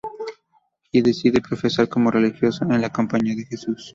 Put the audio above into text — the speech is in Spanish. Y decide profesar como religioso en la Compañía de Jesús.